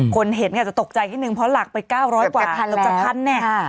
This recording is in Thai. คนเห็นอ่ะจะตกใจที่หนึ่งเพราะหลักไปเก้าร้อยกว่าแค่พันแล้วเราจะพันแน่ค่ะ